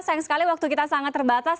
sayang sekali waktu kita sangat terbatas